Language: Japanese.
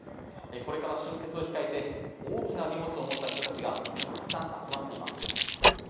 これから春節を控えて大きな荷物を持った人たちがたくさん集まっています。